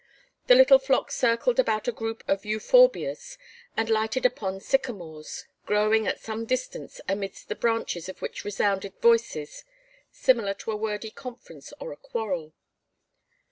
The little flock circled about a group of euphorbias and lighted upon sycamores, growing at some distance, amidst the branches of which resounded voices similar to a wordy conference or a quarrel.